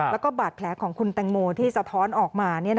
แล้วก็บาดแผลของคุณแตงโมที่สะท้อนออกมา